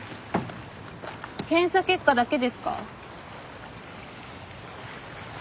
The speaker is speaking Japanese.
検査結果だけですか？